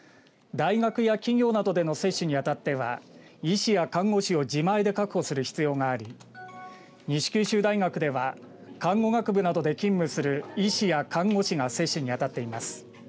大学や企業などでの接種に当たっては医師や看護師を自前で確保する必要があり西九州大学では看護学部などで勤務する医師や看護師が接種にあたっています。